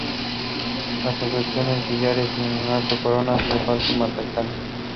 La construcción en sillares, y en lo alto una corona de falsos matacanes.